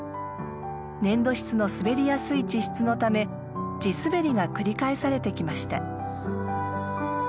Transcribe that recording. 粘土質の滑りやすい地質のため地すべりが繰り返されてきました。